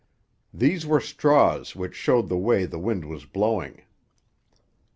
These were straws which showed the way the wind was blowing.